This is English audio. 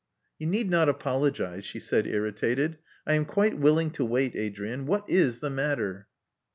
"You need not apologize," she said, irritated. "I am quite willing to wait, Adrian. What Is the matter?"